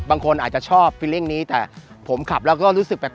บางคนอาจจะชอบฟิลลิ่งนี้แต่ผมขับแล้วก็รู้สึกแบบ